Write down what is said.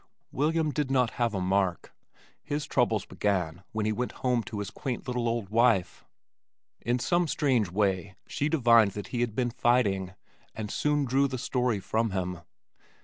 William did not have a mark his troubles began when he went home to his quaint little old wife. In some strange way she divined that he had been fighting, and soon drew the story from him.